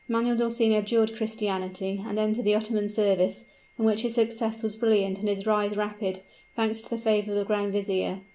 Manuel d'Orsini abjured Christianity, and entered the Ottoman service, in which his success was brilliant and his rise rapid, thanks to the favor of the grand vizier.